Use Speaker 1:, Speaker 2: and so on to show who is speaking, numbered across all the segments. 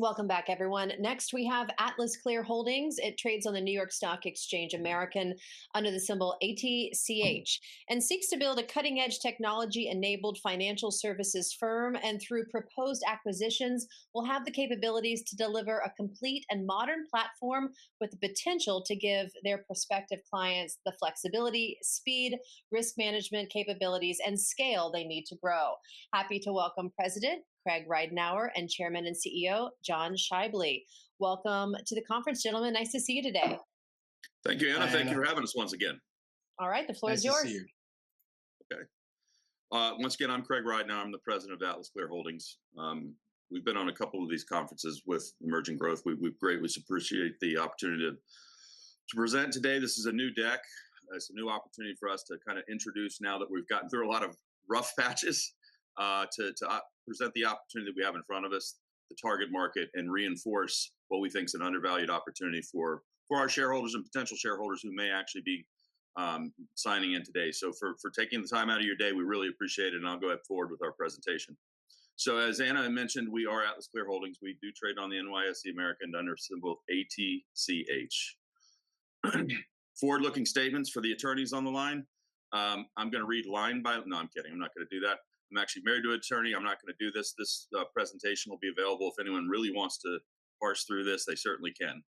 Speaker 1: Welcome back, everyone. Next, we have AtlasClear Holdings. It trades on the New York Stock Exchange American under the symbol ATCH and seeks to build a cutting-edge technology-enabled financial services firm. Through proposed acquisitions, it will have the capabilities to deliver a complete and modern platform with the potential to give their prospective clients the flexibility, speed, risk management capabilities, and scale they need to grow. Happy to welcome President Craig Ridenhour and Chairman and CEO John Schaible. Welcome to the conference, gentlemen. Nice to see you today.
Speaker 2: Thank you, Anna.
Speaker 3: Thank you for having us once again.
Speaker 1: All right, the floor is yours.
Speaker 2: Nice to see you. Okay. Once again, I'm Craig Ridenhour. I'm the President of AtlasClear Holdings. We've been on a couple of these conferences with emerging growth. We greatly appreciate the opportunity to present today. This is a new deck. It's a new opportunity for us to kind of introduce, now that we've gotten through a lot of rough patches, to present the opportunity that we have in front of us, the target market, and reinforce what we think is an undervalued opportunity for our shareholders and potential shareholders who may actually be signing in today. So for taking the time out of your day, we really appreciate it, and I'll go ahead forward with our presentation. So, as Anna mentioned, we are AtlasClear Holdings. We do trade on the NYSE American under the symbol ATCH. Forward-looking statements for the attorneys on the line. I'm going to read line by line—no, I'm kidding. I'm not going to do that. I'm actually married to an attorney. I'm not going to do this. This presentation will be available. If anyone really wants to parse through this, they certainly can.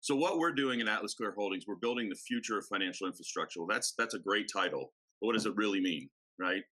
Speaker 2: So what we're doing at AtlasClear Holdings, we're building the future of financial infrastructure. That's a great title. What does it really mean? Right?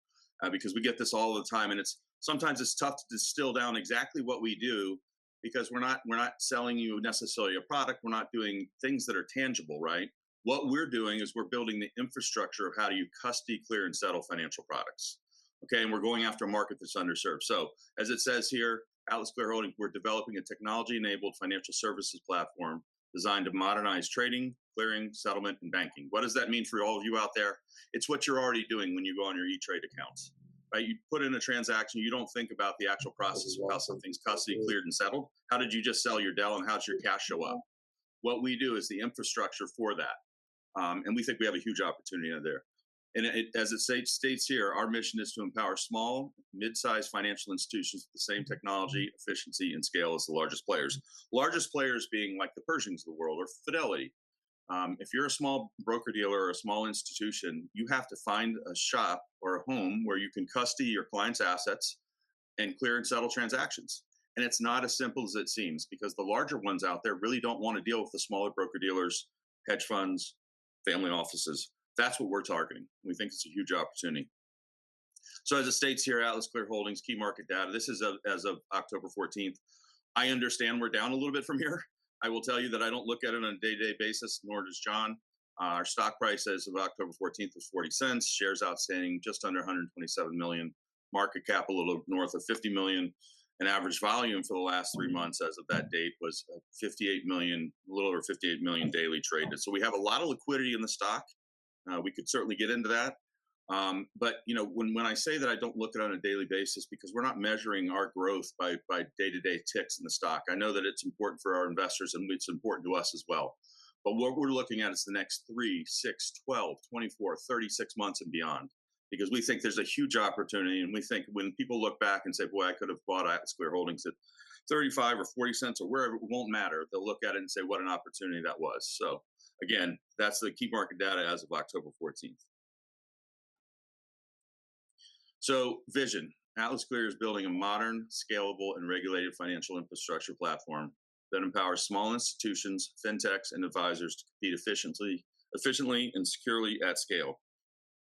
Speaker 2: Because we get this all the time, and sometimes it's tough to distill down exactly what we do because we're not selling you necessarily a product. We're not doing things that are tangible. Right? What we're doing is we're building the infrastructure of how do you custody, clear, and settle financial products. Okay? And we're going after a market that's underserved. So, as it says here, AtlasClear Holdings, we're developing a technology-enabled financial services platform designed to modernize trading, clearing, settlement, and banking. What does that mean for all of you out there? It's what you're already doing when you go on your E-Trade accounts. You put in a transaction. You don't think about the actual process of how something's custody, cleared, and settled. How did you just sell your Dell, and how does your cash show up? What we do is the infrastructure for that. And we think we have a huge opportunity there. And as it states here, our mission is to empower small, midsize financial institutions with the same technology, efficiency, and scale as the largest players. Largest players being like the Pershing of the world or Fidelity. If you're a small broker-dealer or a small institution, you have to find a shop or a home where you can custody your client's assets and clear and settle transactions. It's not as simple as it seems because the larger ones out there really don't want to deal with the smaller broker-dealers, hedge funds, family offices. That's what we're targeting. We think it's a huge opportunity. As it states here, AtlasClear Holdings, key market data. This is as of October 14th. I understand we're down a little bit from here. I will tell you that I don't look at it on a day-to-day basis, nor does John. Our stock price as of October 14th was $0.40, shares outstanding just under 127 million. Market cap a little north of $50 million. Average volume for the last three months as of that date was a little over 58 million daily traded. So we have a lot of liquidity in the stock. We could certainly get into that. But when I say that I don't look at it on a daily basis because we're not measuring our growth by day-to-day ticks in the stock, I know that it's important for our investors and it's important to us as well. But what we're looking at is the next three, six, 12, 24, 36 months and beyond because we think there's a huge opportunity. And we think when people look back and say, "Boy, I could have bought AtlasClear Holdings at $0.35 or $0.40 or wherever," it won't matter. They'll look at it and say, "What an opportunity that was." So again, that's the key market data as of October 14th. So vision. AtlasClear is building a modern, scalable, and regulated financial infrastructure platform that empowers small institutions, fintechs, and advisors to compete efficiently and securely at scale.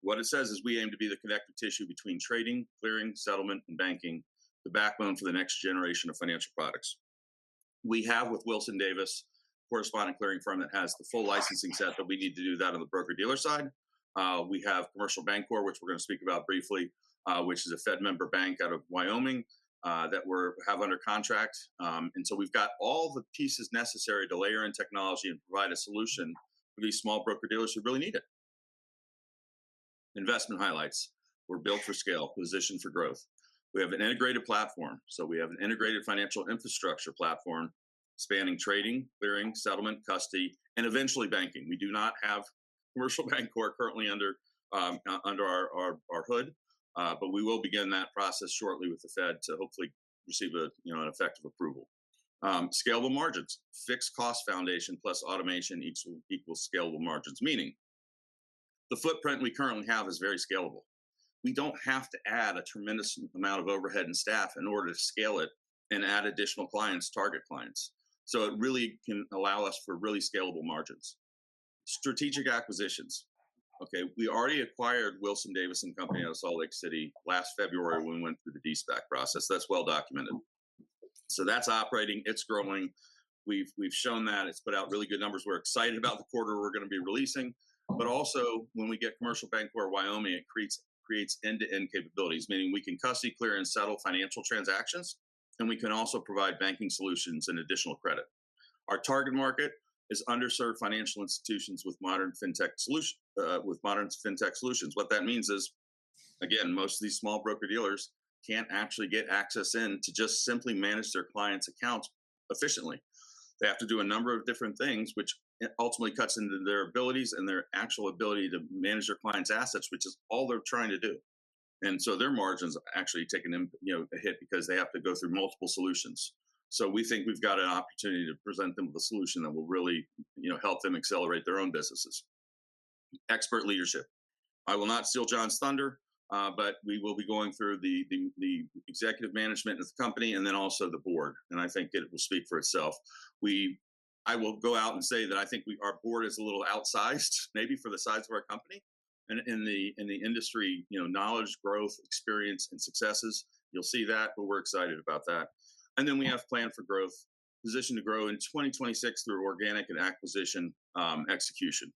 Speaker 2: What it says is we aim to be the connective tissue between trading, clearing, settlement, and banking, the backbone for the next generation of financial products. We have, with Wilson-Davis, a correspondent clearing firm that has the full licensing set that we need to do that on the broker-dealer side. We have Commercial Bancorp, which we're going to speak about briefly, which is a Fed member bank out of Wyoming that we have under contract. And so we've got all the pieces necessary to layer in technology and provide a solution for these small broker-dealers who really need it. Investment highlights. We're built for scale, positioned for growth. We have an integrated platform. So we have an integrated financial infrastructure platform spanning trading, clearing, settlement, custody, and eventually banking. We do not have Commercial Bancorp currently under our hood, but we will begin that process shortly with the Fed to hopefully receive an effective approval. Scalable margins. Fixed cost foundation plus automation equals scalable margins, meaning the footprint we currently have is very scalable. We don't have to add a tremendous amount of overhead and staff in order to scale it and add additional clients, target clients. So it really can allow us for really scalable margins. Strategic acquisitions. Okay? We already acquired Wilson-Davis & Co. out of Salt Lake City last February when we went through the De-SPAC process. That's well documented. So that's operating. It's growing. We've shown that. It's put out really good numbers. We're excited about the quarter we're going to be releasing. But also, when we get Commercial Bancorp of Wyoming, it creates end-to-end capabilities, meaning we can custody, clear, and settle financial transactions, and we can also provide banking solutions and additional credit. Our target market is underserved financial institutions with modern fintech solutions. What that means is, again, most of these small broker-dealers can't actually get access in to just simply manage their clients' accounts efficiently. They have to do a number of different things, which ultimately cuts into their abilities and their actual ability to manage their clients' assets, which is all they're trying to do. And so their margins actually take a hit because they have to go through multiple solutions. So we think we've got an opportunity to present them with a solution that will really help them accelerate their own businesses. Expert leadership. I will not steal John's thunder, but we will be going through the executive management of the company and then also the board, and I think it will speak for itself. I will go out and say that I think our board is a little outsized, maybe for the size of our company, and in the industry, knowledge, growth, experience, and successes, you'll see that, but we're excited about that, and then we have plan for growth, positioned to grow in 2026 through organic and acquisition execution,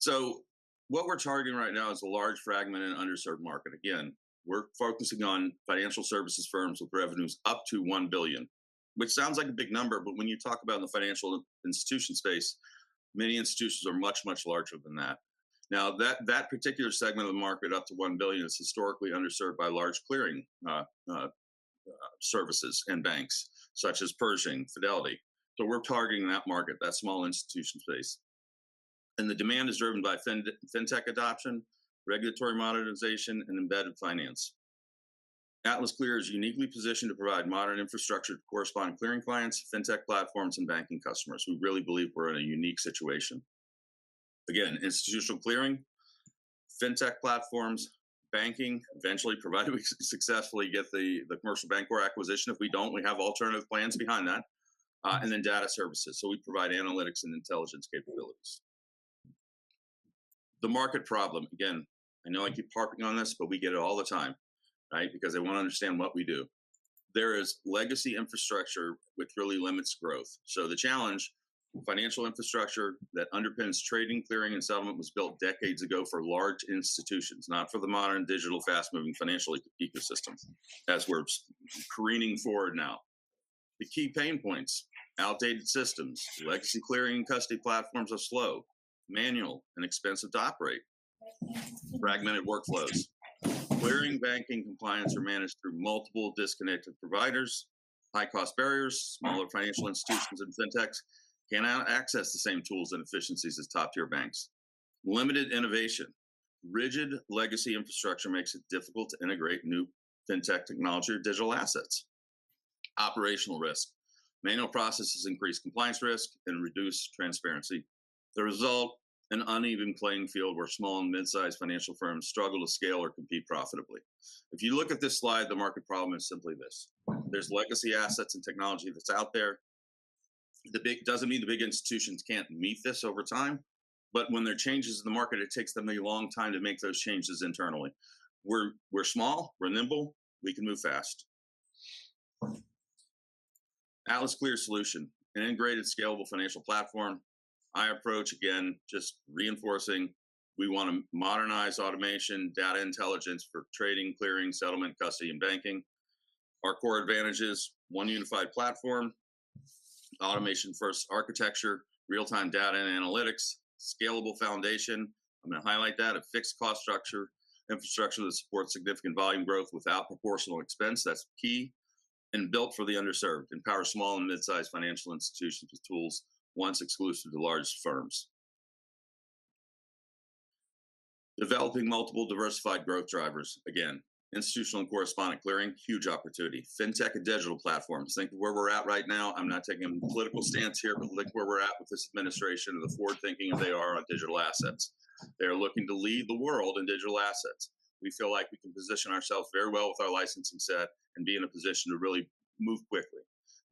Speaker 2: so what we're targeting right now is a large fragment in underserved market. Again, we're focusing on financial services firms with revenues up to $1 billion, which sounds like a big number, but when you talk about in the financial institution space, many institutions are much, much larger than that. Now, that particular segment of the market up to $1 billion is historically underserved by large clearing services and banks such as Pershing, Fidelity. So we're targeting that market, that small institution space. And the demand is driven by fintech adoption, regulatory modernization, and embedded finance. AtlasClear is uniquely positioned to provide modern infrastructure to correspondent clearing clients, fintech platforms, and banking customers. We really believe we're in a unique situation. Again, institutional clearing, fintech platforms, banking, eventually provide successfully get the Commercial Bancorp acquisition. If we don't, we have alternative plans behind that. And then data services. So we provide analytics and intelligence capabilities. The market problem. Again, I know I keep harping on this, but we get it all the time, right, because they want to understand what we do. There is legacy infrastructure which really limits growth. So the challenge, financial infrastructure that underpins trading, clearing, and settlement was built decades ago for large institutions, not for the modern digital fast-moving financial ecosystems as we're careening forward now. The key pain points, outdated systems, legacy clearing and custody platforms are slow, manual, and expensive to operate. Fragmented workflows. Clearing, banking, compliance are managed through multiple disconnected providers. High-cost barriers, smaller financial institutions and fintechs can't access the same tools and efficiencies as top-tier banks. Limited innovation. Rigid legacy infrastructure makes it difficult to integrate new fintech technology or digital assets. Operational risk. Manual processes increase compliance risk and reduce transparency. The result, an uneven playing field where small and midsize financial firms struggle to scale or compete profitably. If you look at this slide, the market problem is simply this. There's legacy assets and technology that's out there. It doesn't mean the big institutions can't meet this over time, but when there are changes in the market, it takes them a long time to make those changes internally. We're small. We're nimble. We can move fast. AtlasClear solution, an integrated scalable financial platform. Our approach, again, just reinforcing we want to modernize automation, data intelligence for trading, clearing, settlement, custody, and banking. Our core advantages, one unified platform, automation-first architecture, real-time data and analytics, scalable foundation. I'm going to highlight that. A fixed cost structure, infrastructure that supports significant volume growth without proportional expense. That's key, and built for the underserved. Empower small and midsize financial institutions with tools once exclusive to large firms. Developing multiple diversified growth drivers. Again, institutional and correspondent clearing, huge opportunity. Fintech and digital platforms. Think of where we're at right now. I'm not taking a political stance here, but look where we're at with this administration and the forward-thinking they are on digital assets. They are looking to lead the world in digital assets. We feel like we can position ourselves very well with our licensing set and be in a position to really move quickly.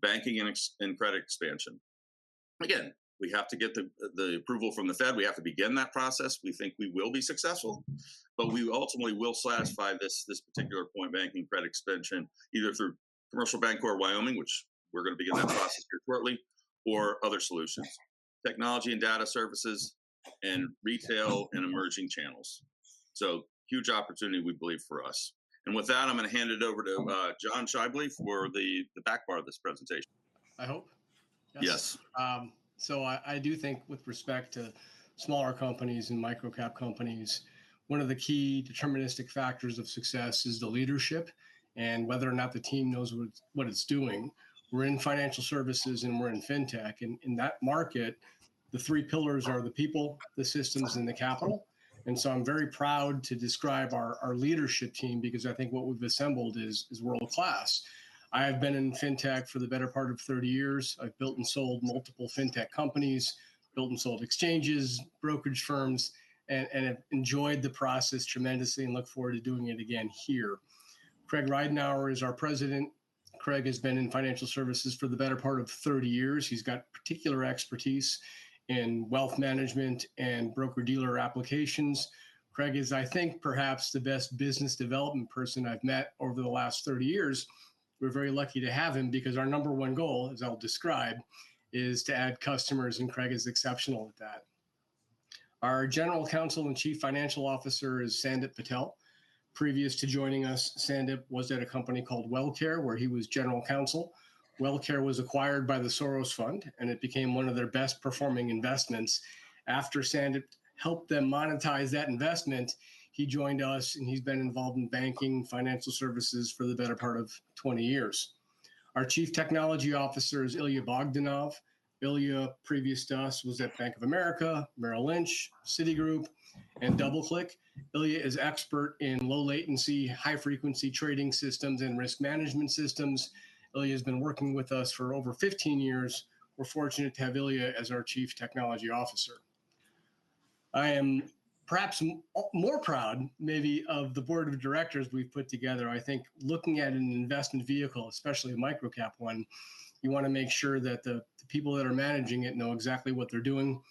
Speaker 2: Banking and credit expansion. Again, we have to get the approval from the Fed. We have to begin that process. We think we will be successful, but we ultimately will satisfy this particular point, banking credit expansion, either through Commercial Bancorp or Wyoming, which we're going to begin that process here shortly, or other solutions. Technology and data services and retail and emerging channels. So huge opportunity, we believe, for us. And with that, I'm going to hand it over to John Schaible for the back part of this presentation. I hope.
Speaker 3: Yes. Yes. So I do think with respect to smaller companies and microcap companies, one of the key deterministic factors of success is the leadership and whether or not the team knows what it's doing. We're in financial services and we're in fintech. And in that market, the three pillars are the people, the systems, and the capital. And so I'm very proud to describe our leadership team because I think what we've assembled is world-class. I have been in fintech for the better part of 30 years. I've built and sold multiple fintech companies, built and sold exchanges, brokerage firms, and have enjoyed the process tremendously and look forward to doing it again here. Craig Ridenhour is our President. Craig has been in financial services for the better part of 30 years. He's got particular expertise in wealth management and broker-dealer applications. Craig is, I think, perhaps the best business development person I've met over the last 30 years. We're very lucky to have him because our number one goal, as I'll describe, is to add customers, and Craig is exceptional at that. Our General Counsel and Chief Financial Officer is Sandip Patel. Previous to joining us, Sandip was at a company called WellCare where he was general counsel. WellCare was acquired by the Soros Fund, and it became one of their best-performing investments. After Sandip helped them monetize that investment, he joined us, and he's been involved in banking and financial services for the better part of 20 years. Our Chief Technology Officer is Ilya Bogdanov. Ilya, previous to us, was at Bank of America, Merrill Lynch, Citigroup, and DoubleClick. Ilya is expert in low-latency, high-frequency trading systems and risk management systems. Ilya has been working with us for over 15 years. We're fortunate to have Ilya as our Chief Technology Officer. I am perhaps more proud, maybe, of the board of directors we've put together. I think looking at an investment vehicle, especially a microcap one, you want to make sure that the people that are managing it know exactly what they're doing.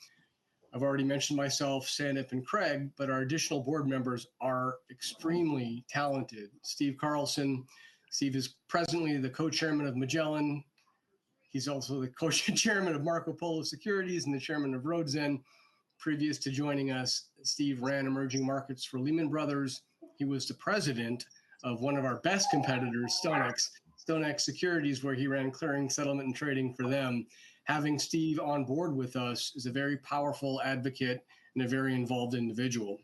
Speaker 3: I've already mentioned myself, Sandip, and Craig, but our additional board members are extremely talented. Steve Carlson, Steve is presently the co-chairman of Magellan. He's also the co-chairman of Marco Polo Securities and the chairman of Roadzen. Previous to joining us, Steve ran emerging markets for Lehman Brothers. He was the president of one of our best competitors, StoneX, StoneX Securities, where he ran clearing, settlement, and trading for them. Having Steve on board with us is a very powerful advocate and a very involved individual.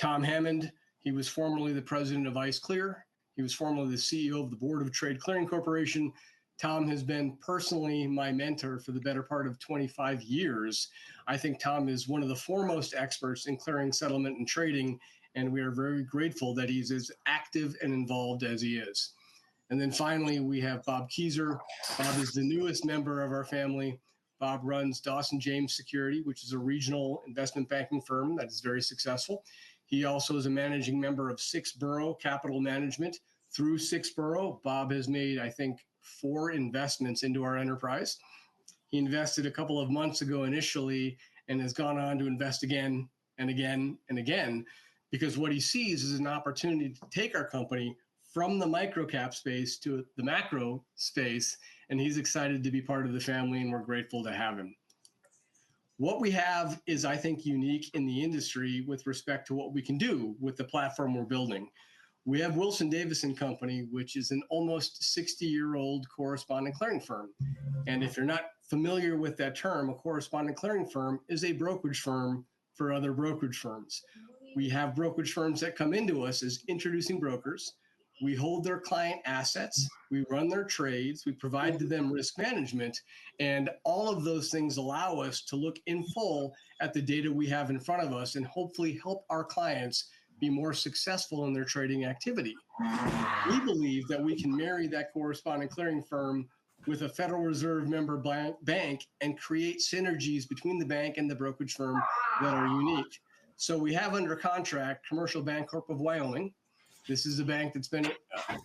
Speaker 3: Tom Hammond, he was formerly the president of ICE Clear. He was formerly the CEO of the Board of Trade Clearing Corporation. Tom has been personally my mentor for the better part of 25 years. I think Tom is one of the foremost experts in clearing, settlement, and trading, and we are very grateful that he's as active and involved as he is. And then finally, we have Bob Keyser. Bob is the newest member of our family. Bob runs Dawson James Securities, which is a regional investment banking firm that is very successful. He also is a managing member of Six Boroughs Capital Management. Through Six Borough, Bob has made, I think, four investments into our enterprise. He invested a couple of months ago initially and has gone on to invest again and again and again because what he sees is an opportunity to take our company from the microcap space to the macro space, and he's excited to be part of the family, and we're grateful to have him. What we have is, I think, unique in the industry with respect to what we can do with the platform we're building. We have Wilson-Davis & Co., which is an almost 60-year-old correspondent clearing firm, and if you're not familiar with that term, a correspondent clearing firm is a brokerage firm for other brokerage firms. We have brokerage firms that come into us as introducing brokers. We hold their client assets. We run their trades. We provide them risk management. All of those things allow us to look in full at the data we have in front of us and hopefully help our clients be more successful in their trading activity. We believe that we can marry that correspondent clearing firm with a Federal Reserve member bank and create synergies between the bank and the brokerage firm that are unique. We have under contract Commercial Bancorp of Wyoming. This is a bank that's been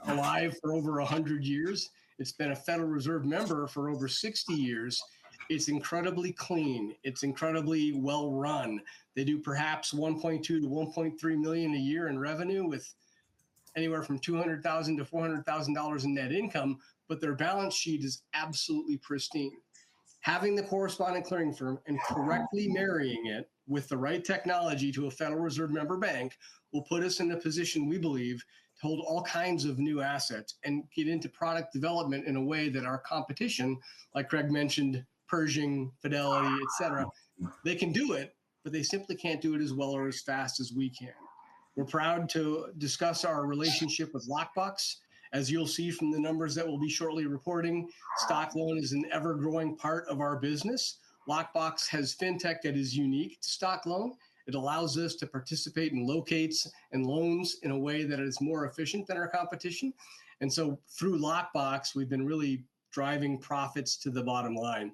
Speaker 3: alive for over 100 years. It's been a Federal Reserve member for over 60 years. It's incredibly clean. It's incredibly well-run. They do perhaps $1.2 million-$1.3 million a year in revenue with anywhere from $200,000-$400,000 in net income, but their balance sheet is absolutely pristine. Having the correspondent clearing firm and correctly marrying it with the right technology to a Federal Reserve member bank will put us in a position, we believe, to hold all kinds of new assets and get into product development in a way that our competition, like Craig mentioned, Pershing, Fidelity, et cetera, they can do it, but they simply can't do it as well or as fast as we can. We're proud to discuss our relationship with LockBox. As you'll see from the numbers that we'll be shortly reporting, stock loan is an ever-growing part of our business. LockBox has fintech that is unique to stock loan. It allows us to participate in locates and loans in a way that is more efficient than our competition, and so through LockBox, we've been really driving profits to the bottom line.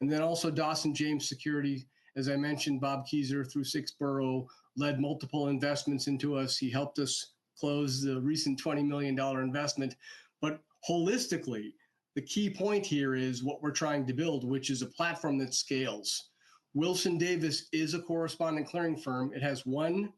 Speaker 3: And then also Dawson James Securities, as I mentioned. Bob Keyser through Six Boroughs led multiple investments into us. He helped us close the recent $20 million investment. But holistically, the key point here is what we're trying to build, which is a platform that scales. Wilson-Davis is a correspondent clearing firm. It has one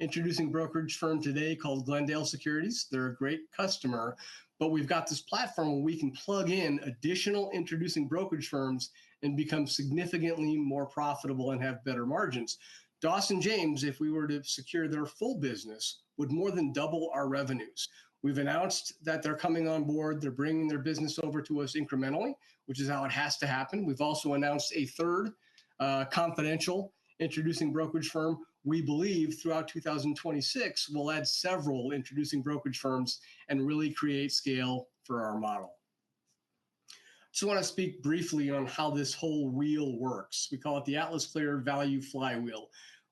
Speaker 3: introducing brokerage firm today called Glendale Securities. They're a great customer, but we've got this platform where we can plug in additional introducing brokerage firms and become significantly more profitable and have better margins. Dawson James, if we were to secure their full business, would more than double our revenues. We've announced that they're coming on board. They're bringing their business over to us incrementally, which is how it has to happen. We've also announced a third confidential introducing brokerage firm. We believe throughout 2026, we'll add several introducing brokerage firms and really create scale for our model. I just want to speak briefly on how this whole wheel works. We call it the AtlasClear Value Flywheel.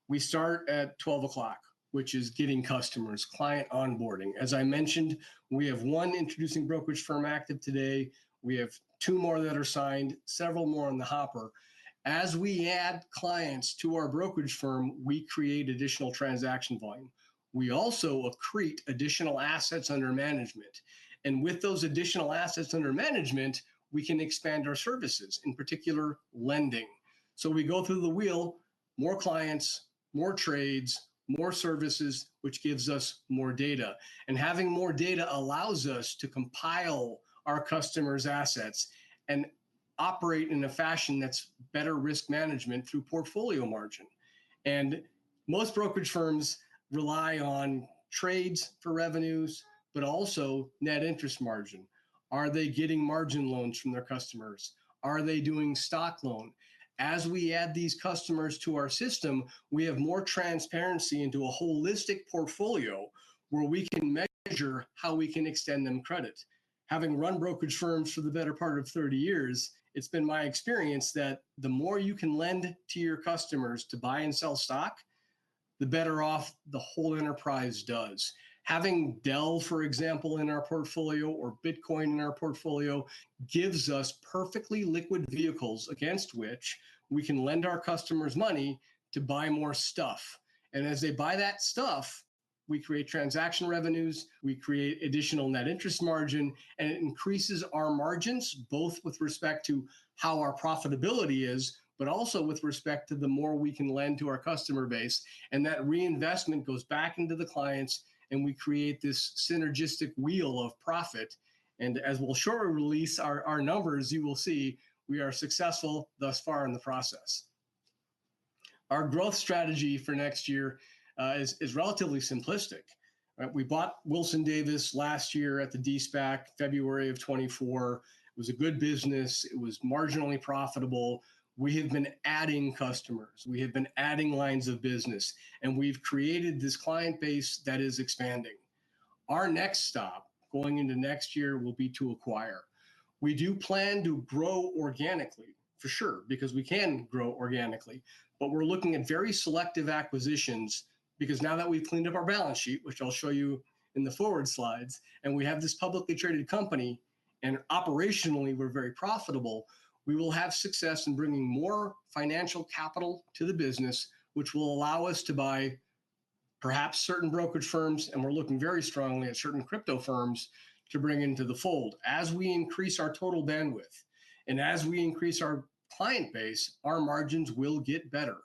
Speaker 3: We start at 12 o'clock, which is getting customers, client onboarding. As I mentioned, we have one introducing brokerage firm active today. We have two more that are signed, several more in the hopper. As we add clients to our brokerage firm, we create additional transaction volume. We also accrete additional assets under management. And with those additional assets under management, we can expand our services, in particular lending. So we go through the wheel, more clients, more trades, more services, which gives us more data. And having more data allows us to compile our customers' assets and operate in a fashion that's better risk management through portfolio margin. And most brokerage firms rely on trades for revenues, but also net interest margin. Are they getting margin loans from their customers? Are they doing stock loan? As we add these customers to our system, we have more transparency into a holistic portfolio where we can measure how we can extend them credit. Having run brokerage firms for the better part of 30 years, it's been my experience that the more you can lend to your customers to buy and sell stock, the better off the whole enterprise does. Having Dell, for example, in our portfolio or Bitcoin in our portfolio gives us perfectly liquid vehicles against which we can lend our customers money to buy more stuff. As they buy that stuff, we create transaction revenues, we create additional net interest margin, and it increases our margins both with respect to how our profitability is, but also with respect to the more we can lend to our customer base. That reinvestment goes back into the clients, and we create this synergistic wheel of profit. As we'll shortly release our numbers, you will see we are successful thus far in the process. Our growth strategy for next year is relatively simplistic. We bought Wilson-Davis last year at the SPAC, February of 2024. It was a good business. It was marginally profitable. We have been adding customers. We have been adding lines of business, and we've created this client base that is expanding. Our next stop going into next year will be to acquire. We do plan to grow organically, for sure, because we can grow organically, but we're looking at very selective acquisitions because now that we've cleaned up our balance sheet, which I'll show you in the forward slides, and we have this publicly traded company, and operationally we're very profitable, we will have success in bringing more financial capital to the business, which will allow us to buy perhaps certain brokerage firms, and we're looking very strongly at certain crypto firms to bring into the fold. As we increase our total bandwidth and as we increase our client base, our margins will get better.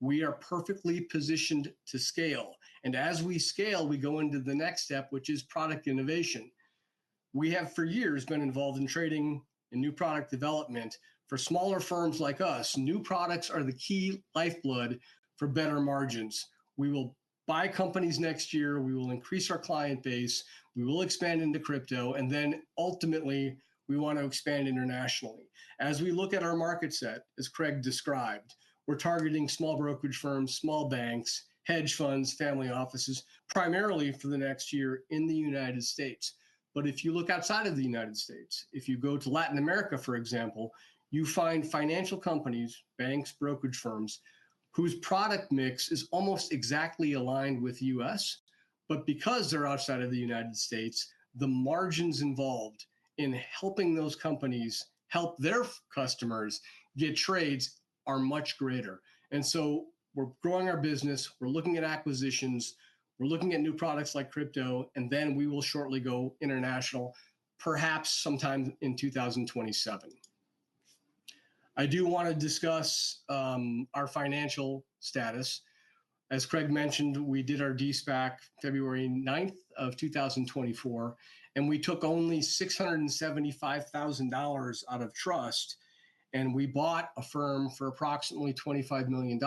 Speaker 3: We are perfectly positioned to scale, and as we scale, we go into the next step, which is product innovation. We have for years been involved in trading and new product development. For smaller firms like us, new products are the key lifeblood for better margins. We will buy companies next year. We will increase our client base. We will expand into crypto, and then ultimately, we want to expand internationally. As we look at our market set, as Craig described, we're targeting small brokerage firms, small banks, hedge funds, family offices, primarily for the next year in the United States. But if you look outside of the United States, if you go to Latin America, for example, you find financial companies, banks, brokerage firms whose product mix is almost exactly aligned with the U.S., but because they're outside of the United States, the margins involved in helping those companies help their customers get trades are much greater, and so we're growing our business. We're looking at acquisitions. We're looking at new products like crypto, and then we will shortly go international, perhaps sometime in 2027. I do want to discuss our financial status. As Craig mentioned, we did our De-SPAC February 9th of 2024, and we took only $675,000 out of trust, and we bought a firm for approximately $25 million.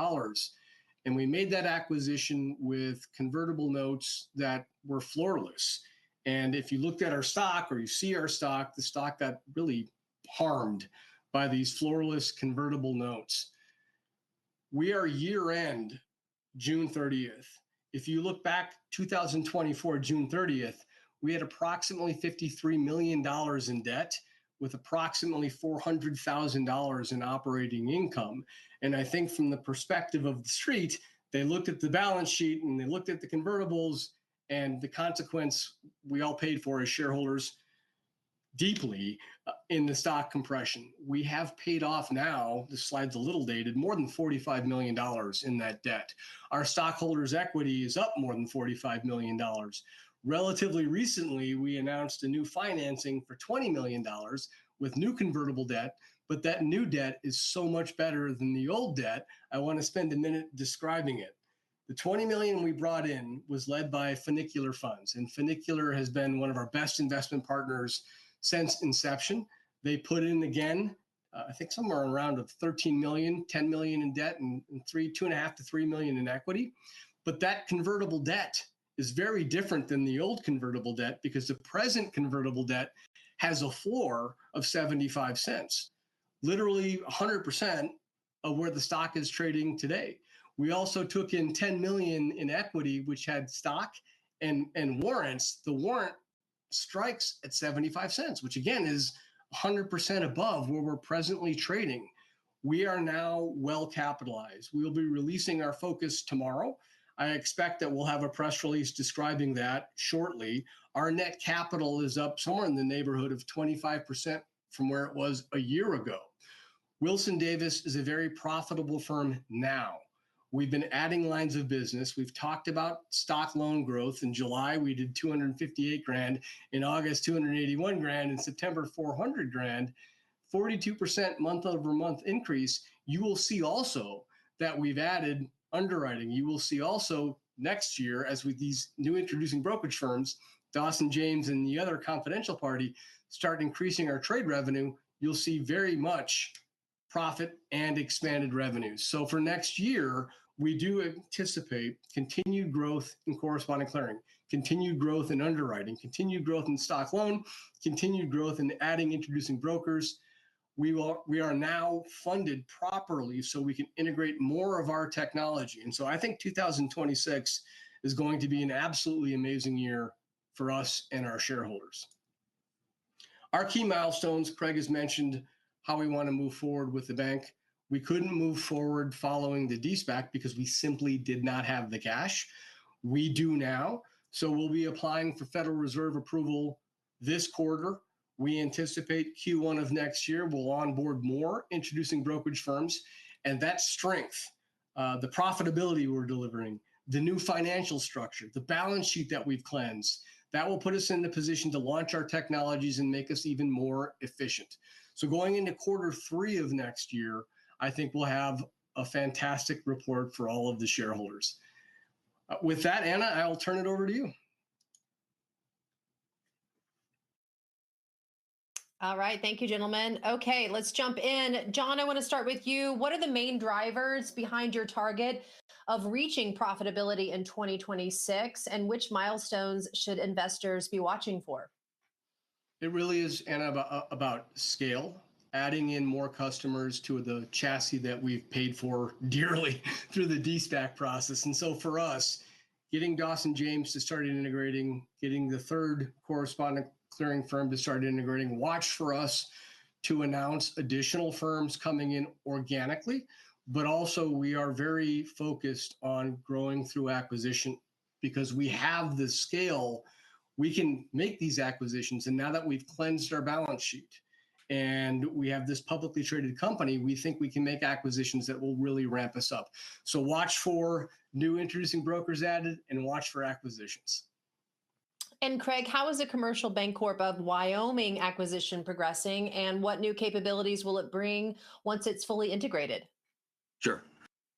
Speaker 3: And we made that acquisition with convertible notes that were flawless. And if you looked at our stock or you see our stock, the stock got really harmed by these flawless convertible notes. Our year-end, June 30th. If you look back, 2024, June 30th, we had approximately $53 million in debt with approximately $400,000 in operating income. And I think from the perspective of the street, they looked at the balance sheet and they looked at the convertibles, and the consequence we all paid for as shareholders deeply in the stock compression. We have paid off now, the slide's a little dated, more than $45 million in that debt. Our stockholders' equity is up more than $45 million. Relatively recently, we announced a new financing for $20 million with new convertible debt, but that new debt is so much better than the old debt. I want to spend a minute describing it. The $20 million we brought in was led by Funicular Funds, and Funicular has been one of our best investment partners since inception. They put in again, I think somewhere around $13 million, $10 million in debt and $2.5-$3 million in equity. But that convertible debt is very different than the old convertible debt because the present convertible debt has a floor of $0.75, literally 100% of where the stock is trading today. We also took in $10 million in equity, which had stock and warrants. The warrant strikes at $0.75, which again is 100% above where we're presently trading. We are now well-capitalized. We will be releasing our focus tomorrow. I expect that we'll have a press release describing that shortly. Our net capital is up somewhere in the neighborhood of 25% from where it was a year ago. Wilson-Davis & Co. is a very profitable firm now. We've been adding lines of business. We've talked about stock loan growth. In July, we did $258,000. In August, $281,000. In September, $400,000, 42% month-over-month increase. You will see also that we've added underwriting. You will see also next year as with these new introducing brokerage firms, Dawson James and the other confidential party start increasing our trade revenue, you'll see very much profit and expanded revenue. So for next year, we do anticipate continued growth in correspondent clearing, continued growth in underwriting, continued growth in stock loan, continued growth in adding introducing brokers. We are now funded properly so we can integrate more of our technology. And so I think 2026 is going to be an absolutely amazing year for us and our shareholders. Our key milestones. Craig has mentioned how we want to move forward with the bank. We couldn't move forward following the DSPAC because we simply did not have the cash. We do now. So we'll be applying for Federal Reserve approval this quarter. We anticipate Q1 of next year. We'll onboard more introducing brokerage firms. And that strength, the profitability we're delivering, the new financial structure, the balance sheet that we've cleansed, that will put us in the position to launch our technologies and make us even more efficient. So going into quarter three of next year, I think we'll have a fantastic report for all of the shareholders. With that, Anna, I'll turn it over to you.
Speaker 1: All right. Thank you, gentlemen. Okay, let's jump in. John, I want to start with you. What are the main drivers behind your target of reaching profitability in 2026, and which milestones should investors be watching for?
Speaker 3: It really is, Anna, about scale, adding in more customers to the chassis that we've paid for dearly through the SPAC process, and so for us, getting Dawson James to start integrating, getting the third correspondent clearing firm to start integrating, watch for us to announce additional firms coming in organically, but also we are very focused on growing through acquisition because we have the scale. We can make these acquisitions, and now that we've cleansed our balance sheet and we have this publicly traded company, we think we can make acquisitions that will really ramp us up, so watch for new introducing brokers added and watch for acquisitions.
Speaker 1: And Craig, how is the Commercial Bancorp of Wyoming acquisition progressing and what new capabilities will it bring once it's fully integrated?
Speaker 2: Sure.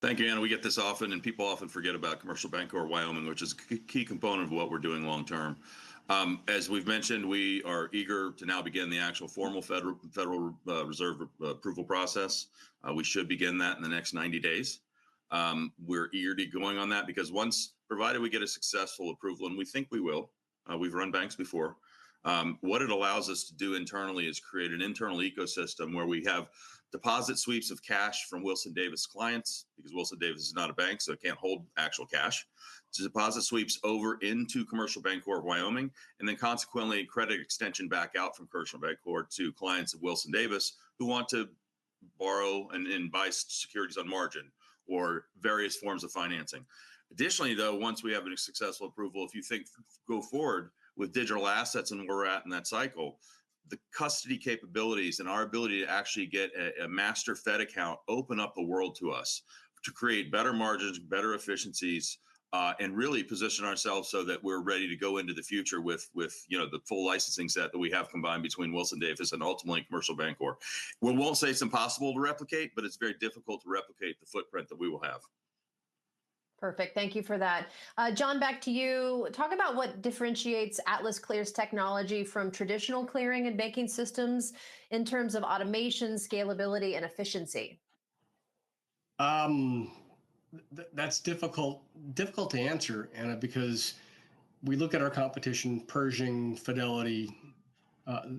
Speaker 2: Thank you, Anna. We get this often, and people often forget about Commercial Bancorp of Wyoming, which is a key component of what we're doing long term. As we've mentioned, we are eager to now begin the actual formal Federal Reserve approval process. We should begin that in the next 90 days. We're eager to be going on that because once provided we get a successful approval, and we think we will, we've run banks before. What it allows us to do internally is create an internal ecosystem where we have deposit sweeps of cash from Wilson-Davis clients because Wilson-Davis is not a bank, so it can't hold actual cash, to deposit sweeps over into Commercial Bancorp of Wyoming, and then consequently credit extension back out from Commercial Bancorp to clients of Wilson-Davis who want to borrow and buy securities on margin or various forms of financing. Additionally, though, once we have a successful approval, if you think go forward with digital assets and where we're at in that cycle, the custody capabilities and our ability to actually get a master Fed account open up a world to us to create better margins, better efficiencies, and really position ourselves so that we're ready to go into the future with the full licensing set that we have combined between Wilson-Davis and ultimately Commercial Bancorp. We won't say it's impossible to replicate, but it's very difficult to replicate the footprint that we will have.
Speaker 1: Perfect. Thank you for that. John, back to you. Talk about what differentiates AtlasClear's technology from traditional clearing and banking systems in terms of automation, scalability, and efficiency.
Speaker 3: That's difficult to answer, Anna, because we look at our competition, Pershing, Fidelity.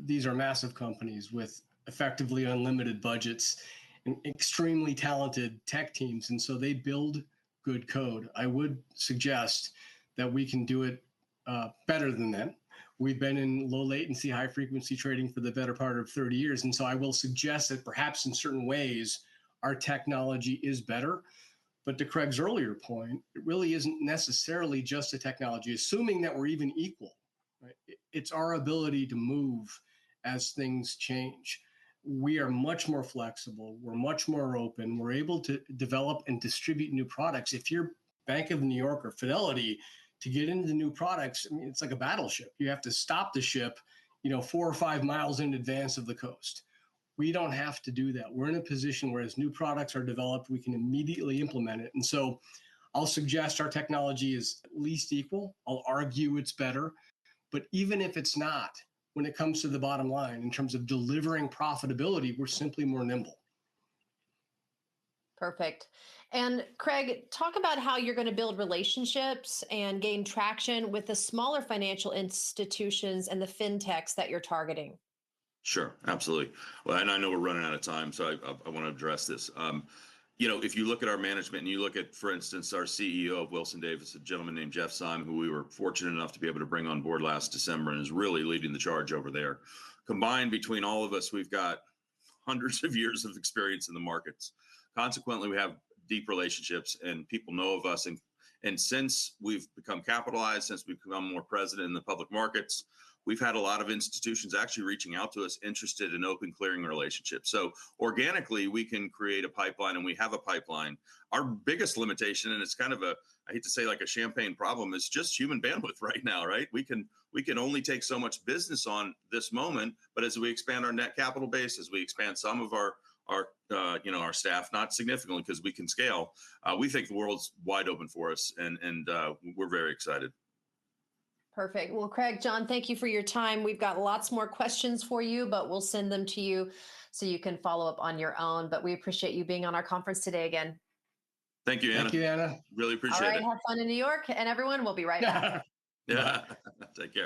Speaker 3: These are massive companies with effectively unlimited budgets and extremely talented tech teams. They build good code. I would suggest that we can do it better than them. We've been in low latency, high frequency trading for the better part of 30 years. I will suggest that perhaps in certain ways our technology is better. But to Craig's earlier point, it really isn't necessarily just a technology. Assuming that we're even equal, it's our ability to move as things change. We are much more flexible. We're much more open. We're able to develop and distribute new products. If you're Bank of New York or Fidelity, to get into new products, it's like a battleship. You have to stop the ship four or five miles in advance of the coast. We don't have to do that. We're in a position where as new products are developed, we can immediately implement it. I'll suggest our technology is at least equal. I'll argue it's better. But even if it's not, when it comes to the bottom line in terms of delivering profitability, we're simply more nimble.
Speaker 1: Perfect. And Craig, talk about how you're going to build relationships and gain traction with the smaller financial institutions and the fintechs that you're targeting.
Speaker 2: Sure. Absolutely. Well, and I know we're running out of time, so I want to address this. If you look at our management and you look at, for instance, our CEO of Wilson-Davis & Co., a gentleman named Jeff Simon, who we were fortunate enough to be able to bring on board last December and is really leading the charge over there. Combined between all of us, we've got hundreds of years of experience in the markets. Consequently, we have deep relationships and people know of us. And since we've become capitalized, since we've become more present in the public markets, we've had a lot of institutions actually reaching out to us interested in open clearing relationships. So organically, we can create a pipeline and we have a pipeline. Our biggest limitation, and it's kind of a, I hate to say like a champagne problem, is just human bandwidth right now, right? We can only take so much business on this moment, but as we expand our net capital base, as we expand some of our staff, not significantly because we can scale, we think the world's wide open for us and we're very excited.
Speaker 1: Perfect. Well, Craig, John, thank you for your time. We've got lots more questions for you, but we'll send them to you so you can follow up on your own. But we appreciate you being on our conference today again.
Speaker 2: Thank you, Anna. Really appreciate it.
Speaker 1: All right. Have fun in New York, everyone. We'll be right back.
Speaker 2: Yeah. Take care.